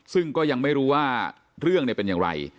ซึ่งก็ยังไม่รู้ว่าเรื่องเป็นอย่างไร